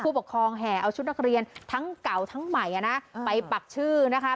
ปกครองแห่เอาชุดนักเรียนทั้งเก่าทั้งใหม่อ่ะนะไปปักชื่อนะคะ